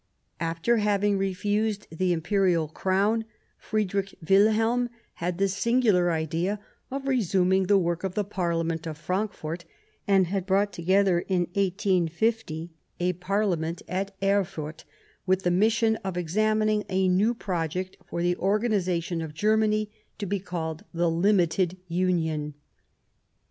After having refused JjJ^°|^*^ the Imperial Crown, Friedrich Wilhelm had the singular idea of resuming the work of the Parliament of Frankfort, »and had brought together, in 1850, a Parliament at Erfurt with the mission of examining a new project for the organization of Germany, to be called The Limited Union.